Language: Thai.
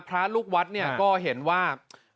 พระลูกวัดเห็นว่า